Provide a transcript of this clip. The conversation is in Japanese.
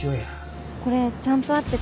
これちゃんと合ってた。